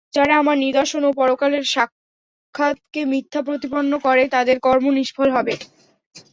যারা আমার নিদর্শন ও পরকালের সাক্ষাতকে মিথ্যা প্রতিপন্ন করে তাদের কর্ম নিষ্ফল হবে।